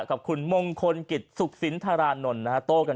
กับคุณมงคลกิจสุขสินธารานนท์นะฮะ